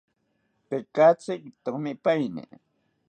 Tekatzi itomipaeni